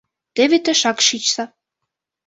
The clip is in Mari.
Теве тышак шичса.